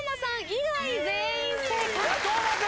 以外全員正解。